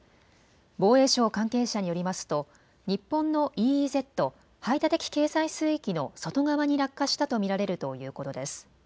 防衛省関係者によりますと日本のＥＥＺ・排他的経済水域の外側に落下したと見られるということです。